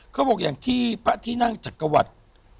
พ่อบอกอย่างที่พระทีนั่งจักรกอวัตร